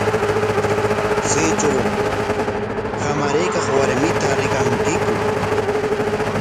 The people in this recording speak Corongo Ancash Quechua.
¿Chaytraw hamaraykaq warmita rikankiku?